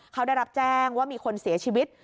เขาได้รับแจ้งว่ามีคนเสียชีวิต